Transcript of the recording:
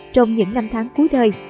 trong những năm tháng cuối đời